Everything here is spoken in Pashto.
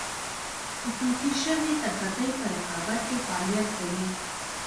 خصوصي شوې تصدۍ په رقابت کې فعالیت کوي.